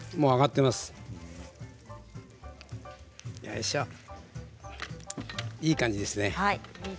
いい感じですね。